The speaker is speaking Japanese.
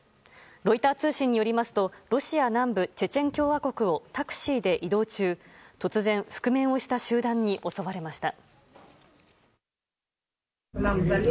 ロイター通信によりますとロシア南部、チェチェン共和国をタクシーで移動中突然、覆面をした集団に襲われました。